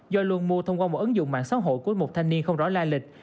do luôn mua thông qua một ứng dụng mạng xã hội của một thanh niên không rõ la lịch